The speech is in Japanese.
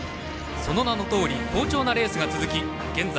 その名の通り好調なレースが続き現在